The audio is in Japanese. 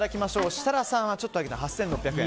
設楽さんはちょっと上げて８６００円。